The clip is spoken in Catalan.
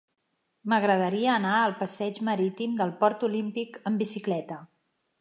M'agradaria anar al passeig Marítim del Port Olímpic amb bicicleta.